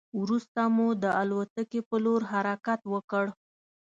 وروسته مو د الوتکې په لور حرکت وکړ.